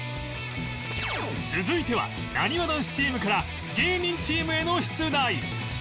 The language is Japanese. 続いてはなにわ男子チームから芸人チームへの出題